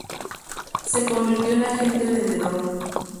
Se convirtió en agente vendedor.